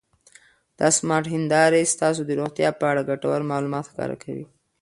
دا سمارټ هېندارې ستاسو د روغتیا په اړه ګټور معلومات ښکاره کوي.